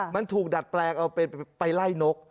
มันถูกดัดแปลงเอาไปไล่นก